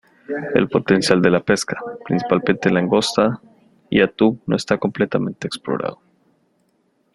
El potencial de la pesca, principalmente langosta y atún no está completamente explorado.